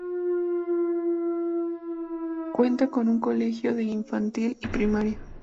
Cuenta con un colegio de infantil y primaria.